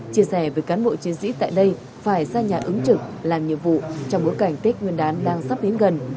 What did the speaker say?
chia sẻ với cán bộ chiến sĩ tại đây phải ra nhà ứng trực làm nhiệm vụ trong bối cảnh tết nguyên đán đang sắp đến gần